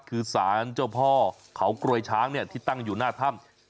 คือสารเจ้าพ่อเขากรวยช้างที่ตั้งอยู่หน้าถ้ำ